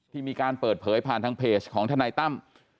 มีการเปิดเผยผ่านทางเพจของทนายตั้ม